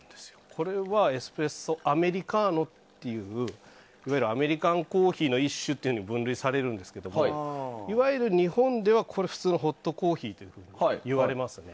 これはエスプレッソアメリカーノといういわゆるアメリカンコーヒーの一種と分類されるんですけれどもいわゆる日本では普通のホットコーヒーといわれます。